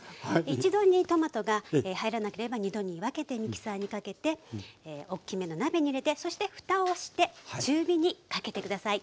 一度にトマトが入らなければ２度に分けてミキサーにかけておっきめの鍋に入れてそしてふたをして中火にかけて下さい。